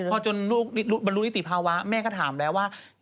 พอจนลูกบรรลุนิติภาวะแม่ก็ถามแล้วว่า